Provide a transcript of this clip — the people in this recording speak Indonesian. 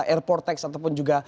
airport tax ataupun juga